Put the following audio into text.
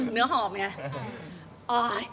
เนื้อหอมไง